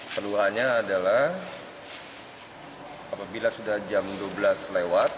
keluhannya adalah apabila sudah jam dua belas lewat